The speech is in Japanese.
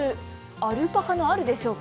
アルパカのアルでしょうか。